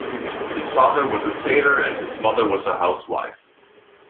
His father was a sailor and his mother was a housewife.